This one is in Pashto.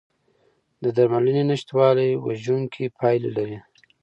د درملنې نشتوالی وژونکي پایلې لري.